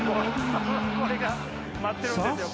これが待ってるんですよ